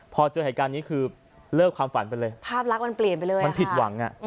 พอเจอเหตุการณ์นี้คือเลิกความฝันไปเลยภาพลักษณ์มันเปลี่ยนไปเลยมันผิดหวังอ่ะ